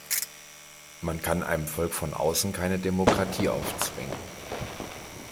Man kann einem Volk von außen keine Demokratie aufzwingen.